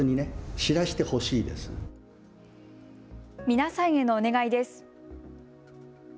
皆さんへのお願いです。